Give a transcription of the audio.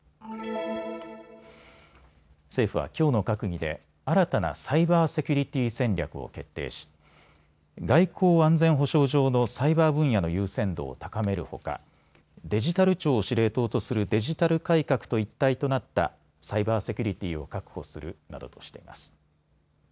政府はきょうの閣議で新たなサイバーセキュリティ戦略を決定し外交・安全保障上のサイバー分野の優先度を高めるほかデジタル庁を司令塔とするデジタル改革と一体となったサイバーセキュリティーを確保するなどとしています。